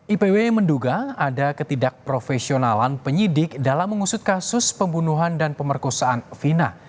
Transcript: ipw menduga ada ketidakprofesionalan penyidik dalam mengusut kasus pembunuhan dan pemerkosaan fina